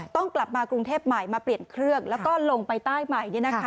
ต้องกลับมากรุงเทพใหม่มาเปลี่ยนเครื่องแล้วก็ลงไปใต้ใหม่